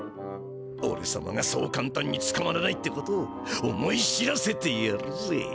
おれさまがそうかんたんにつかまらないってこと思い知らせてやるぜ！